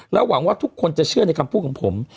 หวังว่าทุกคนจะเชื่อในคำพูดของผม